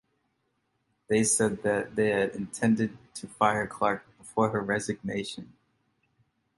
Biondi and Patankar said that they had intended to fire Clark before her resignation.